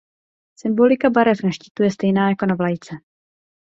Symbolika barev na štítu je stejná jako na vlajce.